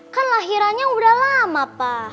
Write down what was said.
kan lahirannya udah lama pak